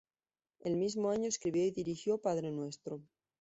El mismo año escribió y dirigió "Padre nuestro".